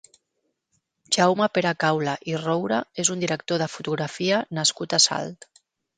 Jaume Peracaula i Roura és un director de fotografia nascut a Salt.